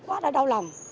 quá là đau lòng